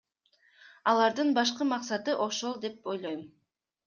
Алардын башкы максаты ошол деп ойлойм.